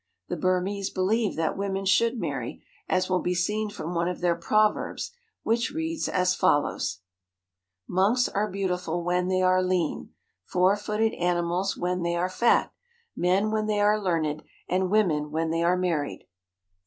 The Burmese believe that women should marry, as will be seen from one of their proverbs, which reads as follows :— WITH THE BURMESE AT HOME 221 " Monks are beautiful when they are lean, four footed ani mals when they are fat, men when they are learned, and women when they are married.'